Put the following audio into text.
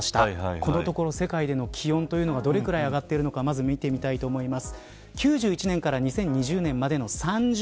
このところ世界での気温がどれくらい上がっているのかまず見てみたいと思います。